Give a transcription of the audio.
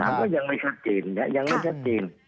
ถามก็ยังไม่ชัดจริงนะครับ